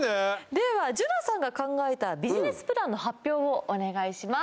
ではじゅなさんが考えたビジネスプランの発表をお願いします